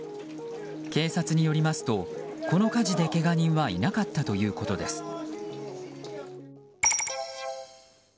警察によりますとこの火事でけが人はいなかったということです。